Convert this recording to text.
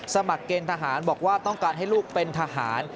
สมัครเกณฑ์ทหารบอกว่าต้องการให้ลูกเป็นทหาร